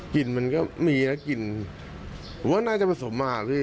กลิ่นมันก็มีเนี่ยหรือว่าน่าไปพศมมาเลย